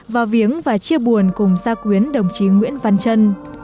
vào viếng và chia buồn cùng gia quyến đồng chí nguyễn văn trân